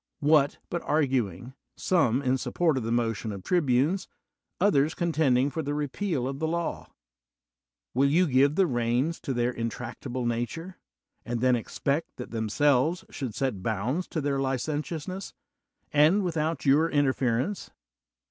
What, but arguing, some in support of the motion of tribunes; others eon tending for the repeal of the law? Will you give the reins to their intractable nature, and tiien expect that themselves should get bounds to their licentiousness, and without your interference?